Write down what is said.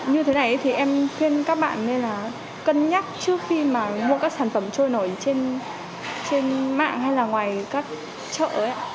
như thế này thì em khuyên các bạn nên là cân nhắc trước khi mà mua các sản phẩm trôi nổi trên mạng hay là ngoài các chợ ấy